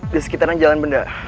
di sekitaran jalan benda